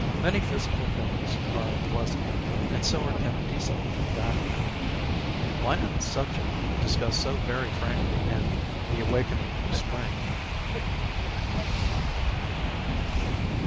Many physical things are unpleasant, and so are kept decently in the background ; why not the subject discussed so very frankly in "The Awakening of Spring"?